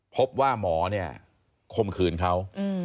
พบว่าหมอก้มขืนเขา